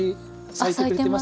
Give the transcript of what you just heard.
咲いてます。